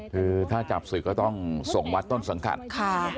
คือถ้าจับศึกก็ต้องส่งวัดต้นสังกัดค่ะ